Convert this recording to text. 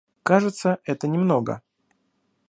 Кажется, это не много.